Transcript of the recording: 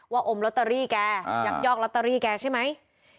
อมลอตเตอรี่แกยักยอกลอตเตอรี่แกใช่ไหม